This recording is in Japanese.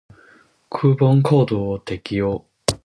クーポンコードを適用